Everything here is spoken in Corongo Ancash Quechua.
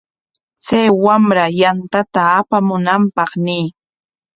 Chay wamra yantata apamunanpaq ñiy.